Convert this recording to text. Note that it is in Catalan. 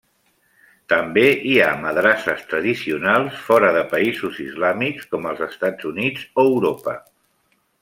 També hi ha madrasses tradicionals fora de països islàmics, com als Estats Units o Europa.